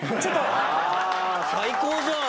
ああ最高じゃん。